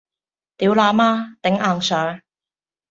掉哪媽！頂硬上！